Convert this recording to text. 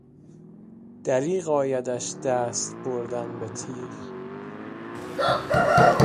دریغ آیدش دست بردن بتیغ